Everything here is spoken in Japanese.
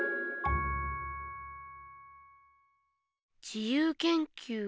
自由研究。